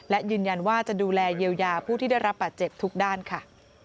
และยืนยันว่าจะดูแลเยียวยาผู้ที่ได้รับบาดเจ็บทุกด้านค่ะ